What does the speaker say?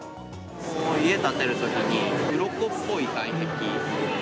家建てるときに、うろこっぽい外壁。